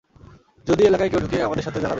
যদি এলাকায় কেউ ঢুকে, আমাদের সাথে জানাবেন।